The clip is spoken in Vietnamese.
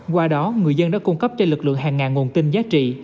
qua đó người dân đã cung cấp cho lực lượng hàng ngàn nguồn tin giá trị